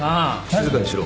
静かにしろ。